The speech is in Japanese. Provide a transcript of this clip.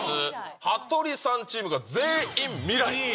羽鳥さんチームが全員、未来。